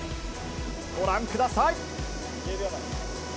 ご覧ください。